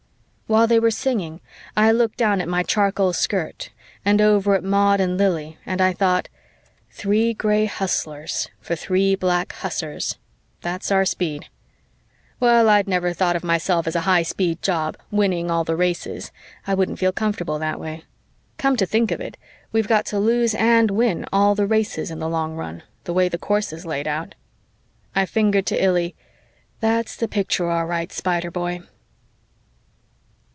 _" While they were singing, I looked down at my charcoal skirt and over at Maud and Lili and I thought, "Three gray hustlers for three black hussars, that's our speed." Well, I'd never thought of myself as a high speed job, winning all the races I wouldn't feel comfortable that way. Come to think of it, we've got to lose and win all the races in the long run, the way the course is laid out. I fingered to Illy, "That's the picture, all right, Spider boy."